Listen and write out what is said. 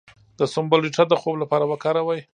د سنبل ریښه د خوب لپاره وکاروئ